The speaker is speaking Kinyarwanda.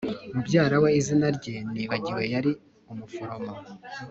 Mubyara we izina rye nibagiwe yari umuforomo